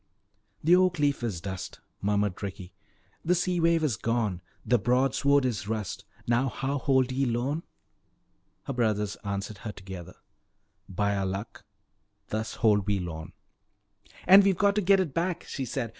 "The oak leaf is dust," murmured Ricky, "the sea wave is gone, the broadsword is rust, how now hold ye Lorne?" Her brothers answered her together: "By our Luck, thus hold we Lorne!" "And we've got to get it back," she said.